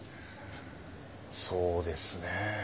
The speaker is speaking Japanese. そうですね